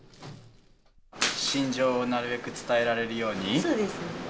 心情をなるべく伝えられるように？